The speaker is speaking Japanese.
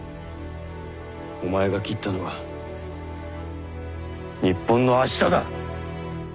お前が斬ったのは日本の明日だ！